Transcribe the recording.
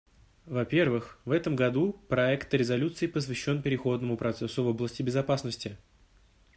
Вопервых, в этом году проект резолюции посвящен переходному процессу в области безопасности.